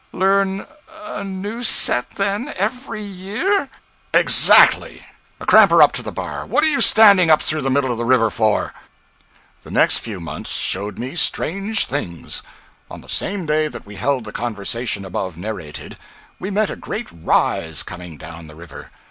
'Learn a new set, then, every year?' 'Exactly. Cramp her up to the bar! What are you standing up through the middle of the river for?' The next few months showed me strange things. On the same day that we held the conversation above narrated, we met a great rise coming down the river.